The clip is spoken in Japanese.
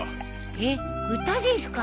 えっ歌ですか？